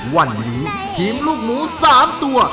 วันนี้ทีมลูกหมู๓ตัว